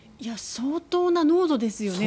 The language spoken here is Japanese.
相当な濃度ですよね